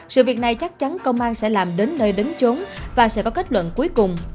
sự việc này chắc chắn công an sẽ làm đến nơi đến trốn và sẽ có kết luận cuối cùng